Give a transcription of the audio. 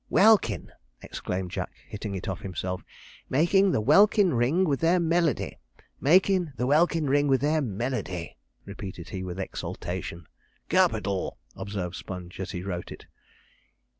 'Welkin!' exclaimed Jack, hitting it off himself '"makin' the welkin ring with their melody!" makin' the welkin ring with their melody,' repeated he, with exultation. 'Capital!' observed Sponge, as he wrote it.